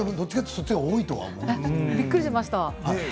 びっくりしました。